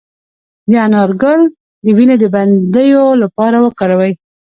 د انار ګل د وینې د بندیدو لپاره وکاروئ